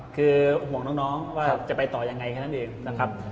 คือห่วงน้องว่าจะไปต่อยังไงขนาดนั้นดี